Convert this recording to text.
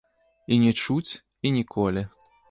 І нічуць, і ніколі.